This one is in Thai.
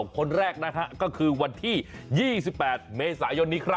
คนแรกก็คือวันที่๒๘เมษายนนี้ครับ